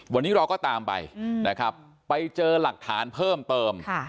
วันนี้เราก็ตามไปนะครับไปเจอหลักฐานเพิ่มเติม